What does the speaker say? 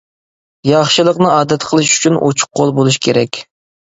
ياخشىلىقنى ئادەت قىلىش ئۈچۈن ئوچۇق قول بولۇش كېرەك.